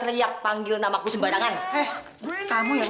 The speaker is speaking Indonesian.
makanya udah mau kebahagiaan